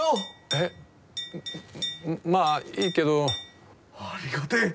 えっまあいいけど。ありがてぇ。